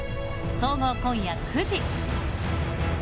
総合、今夜９時。